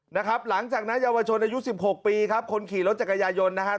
นะครับหลังจากนั้นเยาวชนอายุสิบหกปีครับคนขี่รถจักรยายนต์นะครับ